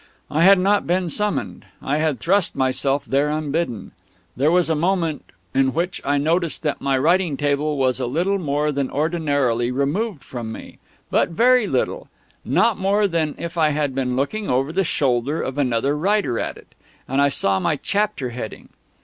I had not been summoned; I had thrust myself there unbidden. There was a moment in which I noticed that my writing table was a little more than ordinarily removed from me, but very little, not more than if I had been looking over the shoulder of another writer at it; and I saw my chapter heading.